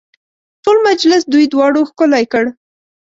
ټول مجلس دوی دواړو ښکلی کړ.